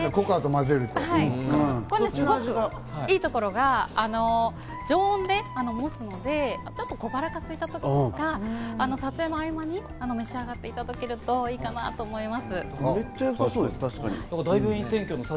すごくいいところが常温でもつので小腹が空いたときとか、撮影の合間に召し上がっていただけるといいかなと思います。